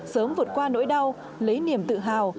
sớm vượt qua nỗi đau lấy niềm tự hào